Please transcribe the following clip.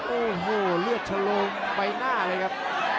โอ้โหเลือดชะโลงใบหน้าเลยครับ